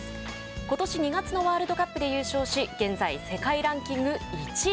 ことし２月のワールドカップで優勝し現在世界ランキング１位。